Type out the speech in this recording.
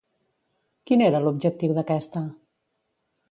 Quin era l'objectiu d'aquesta?